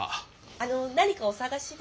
あの何かお探しで？